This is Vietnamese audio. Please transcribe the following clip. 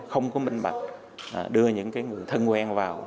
không có minh bạch đưa những người thân quen vào